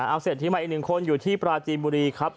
เอาเสร็จที่มาอีก๑คนอยู่ที่ปราจีบุรีครับ